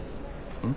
うん。